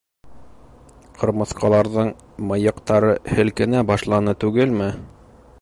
Ҡырмыҫҡаларҙың мыйыҡтары һелкенә башланы түгелме?